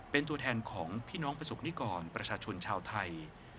เป็นตัวแทนของพี่น้องประสบนิกรประชาชนชาวไทย